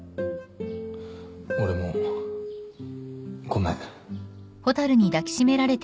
俺もごめん。